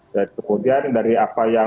dan kemudian dari apa yang